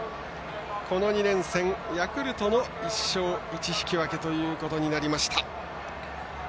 この２連戦ヤクルトの１勝１引き分けということになりました。